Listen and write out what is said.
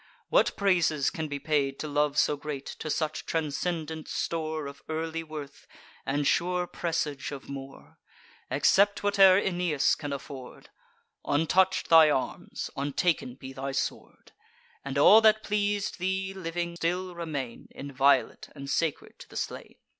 what praises can be paid To love so great, to such transcendent store Of early worth, and sure presage of more? Accept whate'er Aeneas can afford; Untouch'd thy arms, untaken be thy sword; And all that pleas'd thee living, still remain Inviolate, and sacred to the slain.